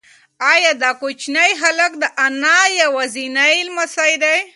ایا دا کوچنی هلک د انا یوازینی لمسی دی؟